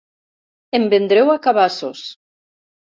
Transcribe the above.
En vendreu a cabassos!